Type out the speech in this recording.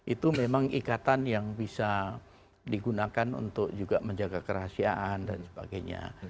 itu memang ikatan yang bisa digunakan untuk juga menjaga kerahasiaan dan sebagainya